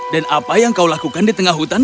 dan apa yang kau lakukan di tengah hutan